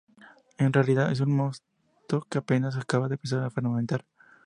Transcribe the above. En realidad, es un mosto que apenas acaba de empezar a fermentar.